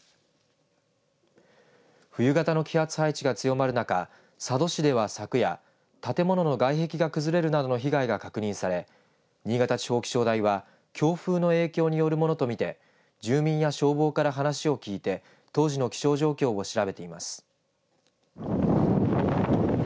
冬型の気圧配置が強まる中佐渡市では昨夜建物の外壁が崩れるなどの被害が確認され、新潟地方気象台は強風の影響によるものと見て住民や消防から話を聞いて当時の気象状況を調べています。